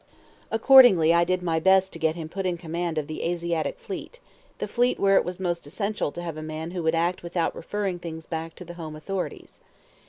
Accordingly I did my best to get him put in command of the Asiatic fleet, the fleet where it was most essential to have a man who would act without referring things back to the home authorities.